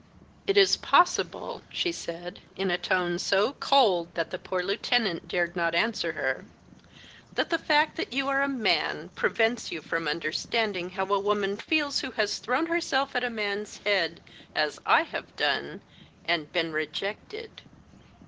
"It is possible," she said, in a tone so cold that the poor lieutenant dared not answer her, "that the fact that you are a man prevents you from understanding how a woman feels who has thrown herself at a man's head, as I have done, and been rejected.